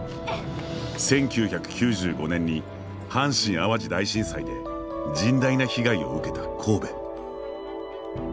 １９９５年に阪神・淡路大震災で甚大な被害を受けた神戸。